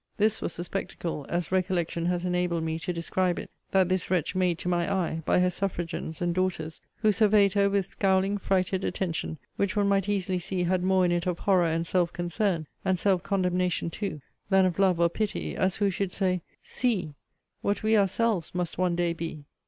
This was the spectacle, as recollection has enabled me to describe it, that this wretch made to my eye, by her suffragans and daughters, who surveyed her with scouling frighted attention, which one might easily see had more in it of horror and self concern (and self condemnation too) than of love or pity; as who should say, See! what we ourselves must one day be!